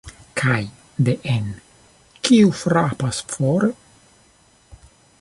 Kaj de-en: ""Kiu frapas fore?".